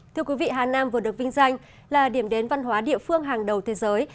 thưa quý vị hà nam vừa được vinh danh là điểm đến văn hóa địa phương hàng đầu thế giới